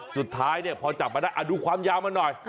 สุดท้ายพอจับเอาดูความยาวมันหน่อย